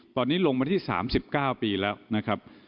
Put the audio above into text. ตอนนี้ลงมาที่๓๙ปีแล้วนะครับ